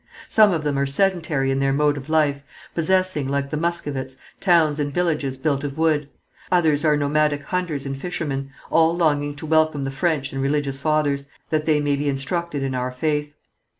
Some of them are sedentary in their mode of life, possessing, like the Muscovites, towns and villages built of wood; others are nomadic hunters and fishermen, all longing to welcome the French and religious fathers, that they may be instructed in our faith.